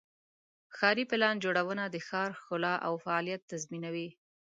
ښاري پلان جوړونه د ښار ښکلا او فعالیت تضمینوي.